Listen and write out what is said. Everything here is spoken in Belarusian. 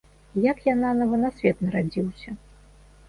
Як я нанава на свет нарадзіўся.